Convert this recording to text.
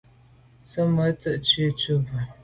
Tsemo’ te ntsi tu bo.